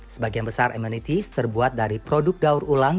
sebagian besar emmanitis terbuat dari produk daur ulang